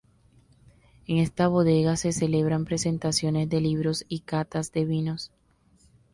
En esta bodega se celebran presentaciones de libros y catas de vinos.